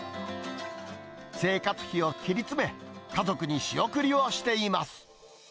生活費を切り詰め、家族に仕送りをしています。